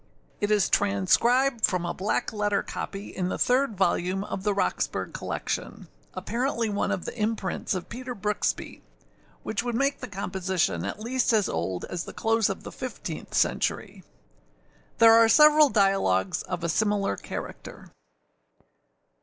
It is transcribed from a black letter copy in the third volume of the Roxburgh collection, apparently one of the imprints of Peter Brooksby, which would make the composition at least as old as the close of the fifteenth century. There are several dialogues of a similar character.